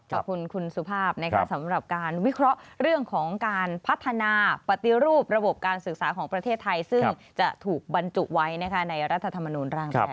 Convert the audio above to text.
ขอบคุณคุณสุภาพสำหรับการวิเคราะห์เรื่องของการพัฒนาปฏิรูประบบการศึกษาของประเทศไทยซึ่งจะถูกบรรจุไว้ในรัฐธรรมนูลร่างแรก